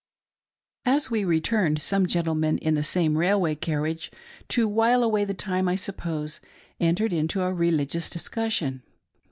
As we returned, some gentlemen in 'the same railway car riage, to while away the time, I suppose, entered into a relig ious discussion.